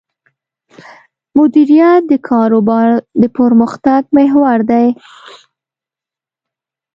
مدیریت د کاروبار د پرمختګ محور دی.